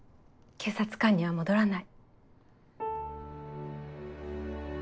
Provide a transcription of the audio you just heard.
警察官には戻らない。